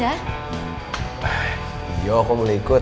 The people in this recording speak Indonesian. ah yo kok boleh ikut